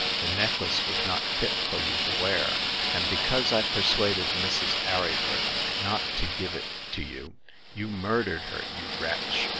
"The necklace was not fit for you to wear. And because I persuaded Mrs. Arryford not to give it to you, you murdered her, you wretch